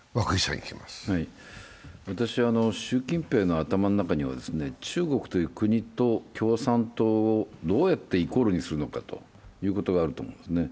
私は習近平の頭の中には中国という国と共産党をどうやってイコールにするのかということがあると思うんですね。